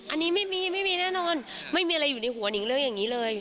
อันนี้ไม่มีไม่มีแน่นอนไม่มีอะไรอยู่ในหัวนิงเรื่องอย่างนี้เลย